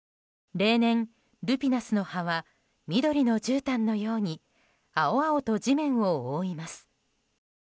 例年、ルピナスの葉は緑のじゅうたんのように青々と地面を覆います。